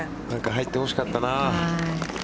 入ってほしかったな。